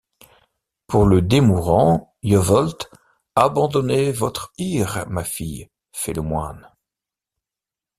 Pour le demourant, ie veulx… — Abandonnez vostre ire, ma fille, feit le moyne.